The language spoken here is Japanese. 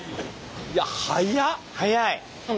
いや速っ！